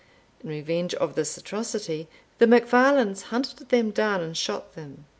In revenge of this atrocity, the MacFarlanes hunted them down, and shot them.